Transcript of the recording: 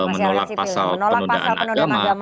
menolak pasal penodaan agama